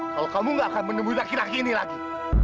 kalau kamu gak akan menemui laki laki ini lagi